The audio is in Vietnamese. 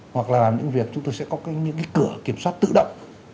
hoặc là làm những việc chúng tôi sẽ có những cái cửa kiểm soát tự động